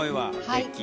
はい。